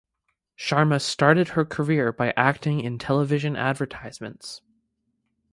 Sharma started her career by acting in television advertisements.